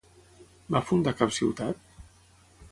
Va fundar cap ciutat?